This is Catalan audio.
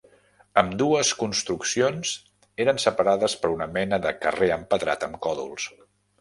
Ambdues construccions eren separades per una mena de carrer empedrat amb còdols.